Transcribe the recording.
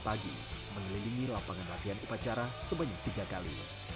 pagi mengelilingi lapangan latihan upacara sebanyak tiga kali